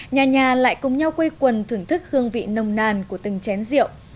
nhà nhà lại cùng nhau quây quần thưởng thức hương vị nồng nàn của từng chén rượu